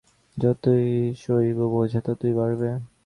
যত সইব বোঝা ততই বাড়বে।